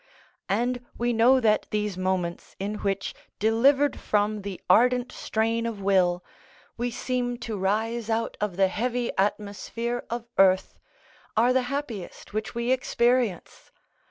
And we know that these moments in which, delivered from the ardent strain of will, we seem to rise out of the heavy atmosphere of earth, are the happiest which we experience.